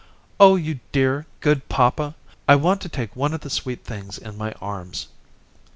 "Oh you dear, good papa. I want to take one of the sweet things in my arms."